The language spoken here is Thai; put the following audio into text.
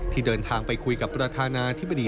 ที่เดินทางไปคุยกับประธานาธิบดี